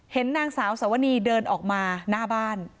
เห็นนางสาวสวนีเดินออกมาหน้าบ้าน